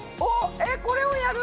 えっこれをやる？